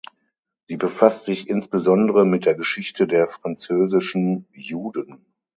Sie befasst sich insbesondere mit der Geschichte der französischen Juden.